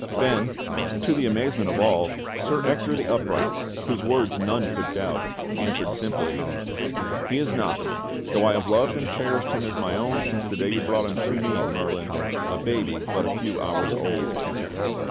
^" Then, to the amazement of all, Sir Ector the Upright whose word none could doubt, answered simply : "He is not, though I have loved and cherished him as my own since the day you brought him to me. Merlin, a baby but a few hours old."